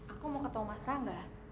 aku mau ketemu mas rangga